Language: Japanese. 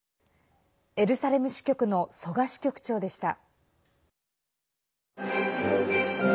エルサレム支局の曽我支局長でした。